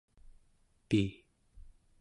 pi